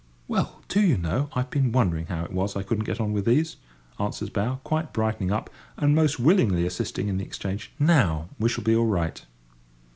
"Well, do you know, I've been wondering how it was I couldn't get on with these," answers bow, quite brightening up, and most willingly assisting in the exchange. "Now we shall be all right."